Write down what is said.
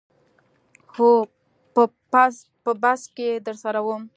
هو په بس کې درسره وم.